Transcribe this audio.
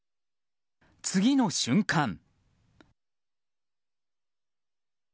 次の瞬間。